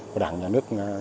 của đảng và nhà nước